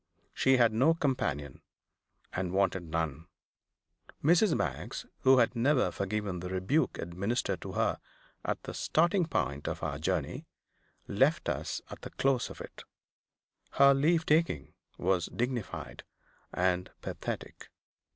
She had no companion, and wanted none. Mrs. Baggs, who had never forgiven the rebuke administered to her at the starting point of our journey, left us at the close of it. Her leave taking was dignified and pathetic.